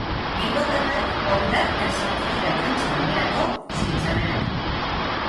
Bilbotarrak oldarka sartu dira kantxan onerako zein txarrerako.